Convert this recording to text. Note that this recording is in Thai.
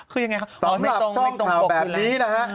คือยังไงครับไม่ตรงปกอยู่แล้ว